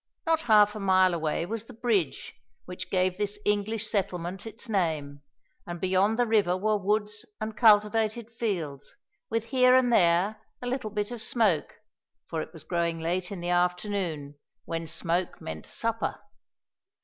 Not half a mile away was the bridge which gave this English settlement its name, and beyond the river were woods and cultivated fields, with here and there a little bit of smoke, for it was growing late in the afternoon, when smoke meant supper.